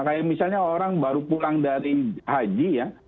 kayak misalnya orang baru pulang dari haji ya